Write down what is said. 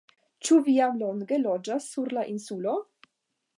Ĉu vi jam longe loĝas sur la Insulo?